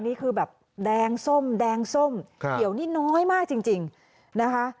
นี่คือแบบแดงส้มแดงส้มเขียวนี่น้อยมากจริงนะคะ